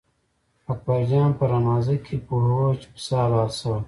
اکبر جان په رمازه کې پوهوه چې پسه حلال شوی.